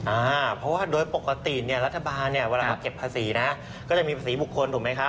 อ่าเพราะว่าโดยปกติรัฐบาลเวลาเก็บภาษีนะก็จะมีภาษีปลูกค้นถูกไหมครับ